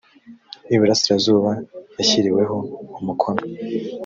iburasirazuba yashyiriweho umukono